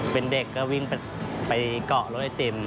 เป็นเด็กก็วิ่งไปเกาะรถไอติม